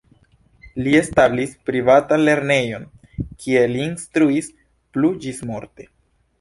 Li establis privatan lernejon, kie li instruis plu ĝismorte.